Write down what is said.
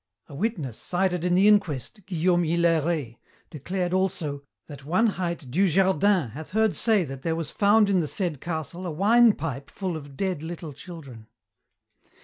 A witness cited in the inquest, Guillaume Hylairet, declared also, "that one hight Du Jardin hath heard say that there was found in the said castle a wine pipe full of dead little children.'